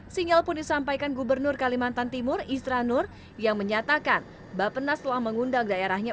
sinyal pun disampaikan gubernur kalimantan timur isra nur yang menyatakan bapenas telah mengundang daerahnya